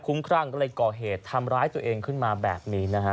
ครั่งก็เลยก่อเหตุทำร้ายตัวเองขึ้นมาแบบนี้นะฮะ